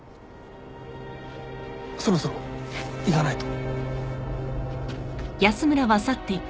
そろそろ行かないと。